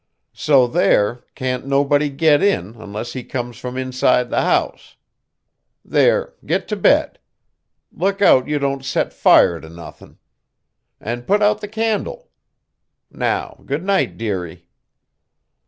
So there, can't nobody git in unless he comes from inside the house. There, git to bed. Look out you don't set fire to nothing. And put out the candle. Now good night, dearie."